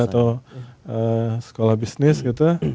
atau sekolah bisnis gitu